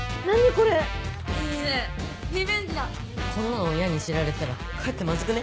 こんなの親に知られたらかえってマズくね？